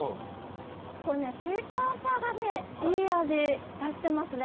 これね、シークワーサーがいい味出してますね。